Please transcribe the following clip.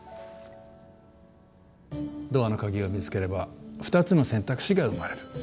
ドアの鍵を見つければ２つの選択肢が生まれる。